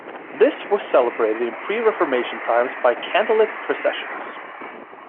This was celebrated in pre-Reformation times by candlelit processions.